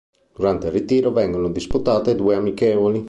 Durante il ritiro vengono disputate due amichevoli.